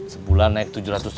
sebulan naik tujuh ratus